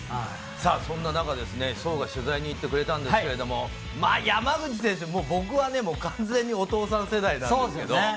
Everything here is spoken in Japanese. さあ、そんな中、壮が取材に行ってくれたんですけど、山口選手、もう僕はね、完全にお父さん世代なんですけど。